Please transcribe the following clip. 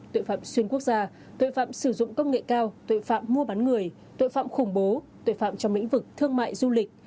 tội phạm xuyên quốc gia tội phạm sử dụng công nghệ cao tội phạm mua bán người tội phạm khủng bố tội phạm trong lĩnh vực thương mại du lịch